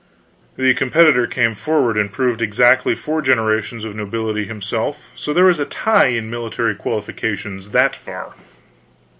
The competitor came forward and proved exactly four generations of nobility himself. So there was a tie in military qualifications that far.